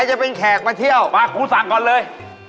มากูสั่งก่อนเลย